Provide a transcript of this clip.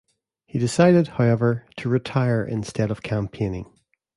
He decided, however, to retire instead of campaigning.